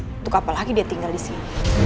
untuk apa lagi dia tinggal disini